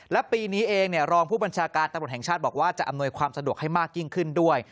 และปีนี้เองรองผู้บัญชาการตำรวจแห่งชาติบอกว่าจะอำนวยความสะดวกให้มากยิ่งขึ้นด้วย